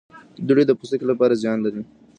دوړې د پوستکي لپاره زیان لري.